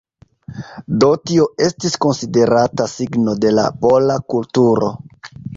Do tio estis konsiderata signo de la pola kulturo.